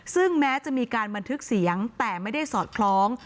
ซึ่งแม้จะมีการบันทึกเสียงแต่ไม่ได้สอดคล้อง